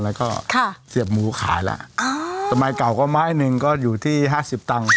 แล้วก็เสียบหมูขายแล้วอ่าสมัยเก่าก็ไม้หนึ่งก็อยู่ที่ห้าสิบตังค์